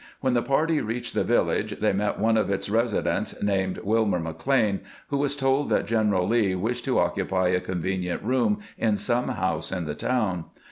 When the party reached the vil lage they met one of its residents, named Wihner McLean, who was told that General Lee wished to oc cupy a convenient room in some house in the town.